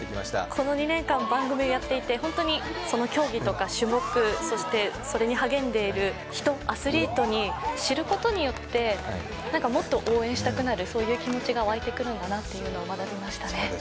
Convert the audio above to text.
この２年間番組をやっていてホントにその競技とか種目そしてそれに励んでいる人アスリートに知ることによってもっと応援したくなるそういう気持ちが湧いてくるんだなっていうのを学びましたね